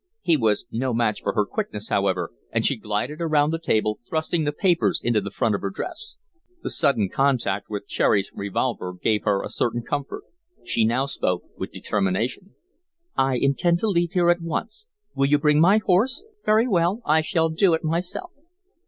He was no match for her quickness, however, and she glided around the table, thrusting the papers into the front of her dress. The sudden contact with Cherry's revolver gave her a certain comfort. She spoke now with determination. "I intend to leave here at once. Will you bring my horse? Very well, I shall do it myself."